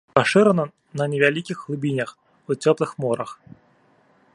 Пашырана на невялікіх глыбінях у цёплых морах.